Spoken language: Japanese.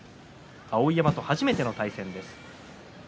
碧山と初めての対戦です。